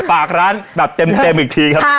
ฝากร้านแบบเต็มอีกทีครับ